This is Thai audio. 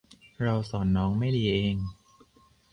เราสอนน้องไม่ดีเอง